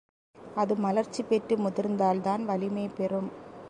அது மலர்ச்சி பெற்று முதிர்ந்தால் தான் வலிமை பெறும்.